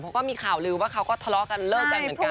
เขาก็มีข่าวลือว่าเขาก็ทะเลาะกันเลิกกันเหมือนกัน